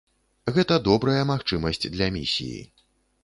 Гэта добрая магчымасць для місіі.